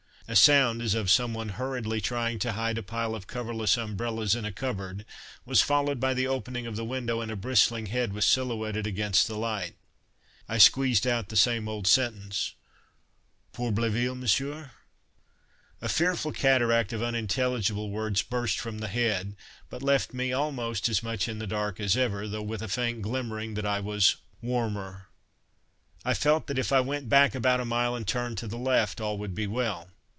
A sound as of someone hurriedly trying to hide a pile of coverless umbrellas in a cupboard was followed by the opening of the window, and a bristling head was silhouetted against the light. I squeezed out the same old sentence: "Pour Bléville, Monsieur?" A fearful cataract of unintelligible words burst from the head, but left me almost as much in the dark as ever, though with a faint glimmering that I was "warmer." I felt that if I went back about a mile and turned to the left, all would be well.